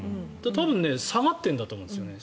多分、下がっているんだと思うんですよね。